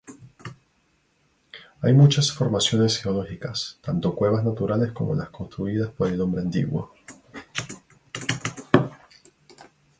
Hay muchas formaciones geológicas, tanto cuevas naturales como las construidas por el hombre antiguo.